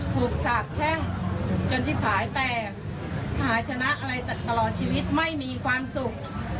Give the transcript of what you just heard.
สาบแช่งจนที่ผายแตกหาชนะอะไรตลอดชีวิตไม่มีความสุข